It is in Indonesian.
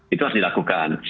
itu harus dilakukan